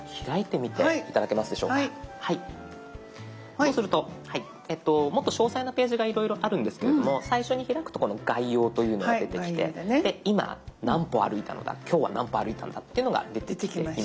そうするともっと詳細なページがいろいろあるんですけれども最初に開くとこの「概要」というのが出てきて今何歩歩いたのだ今日は何歩歩いたのだっていうのが出てきています。